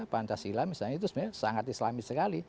pancasila misalnya itu sebenarnya sangat islamis sekali